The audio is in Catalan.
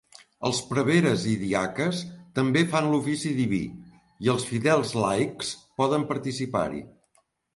Els preveres i diaques també fan l'ofici diví, i els fidels laics poden participar-hi.